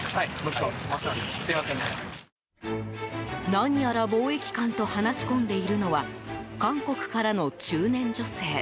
何やら防疫官と話し込んでいるのは韓国からの中年女性。